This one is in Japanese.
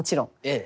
ええ。